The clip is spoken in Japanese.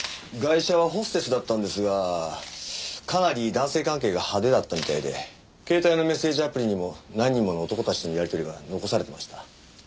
ガイシャはホステスだったんですがかなり男性関係が派手だったみたいで携帯のメッセージアプリにも何人もの男たちとのやり取りが残されてました。